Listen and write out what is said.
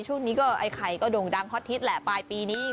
ช่วงนี้ก็ไอ้ไข่ก็โด่งดังฮอตฮิตแหละปลายปีนี้